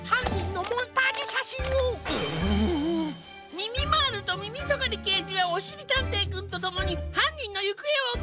みみまーるとみみとがりけいじはおしりたんていくんとともにはんにんのゆくえをおってくれ！